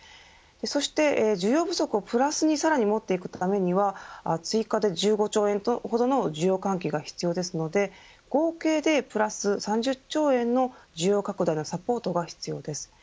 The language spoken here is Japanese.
そして需要不足をプラスにさらに持っていくためには追加で１５兆円ほどの需要喚起が必要ですので合計でプラス３０兆円の需要拡大のサポートが必要です。